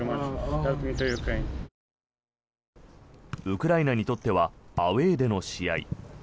ウクライナにとってはアウェーでの試合。